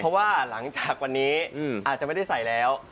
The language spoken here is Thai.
เพราะว่าหลังจากวันนี้อาจจะไม่ได้ใส่แล้ว